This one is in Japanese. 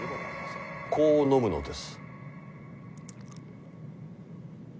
こう飲むのです。